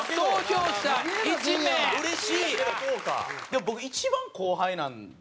でも僕一番後輩なんで。